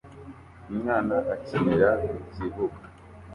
Umwana akinira ku kibuga